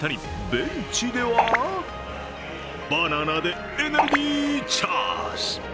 ベンチでは、バナナでエネルギーチャージ！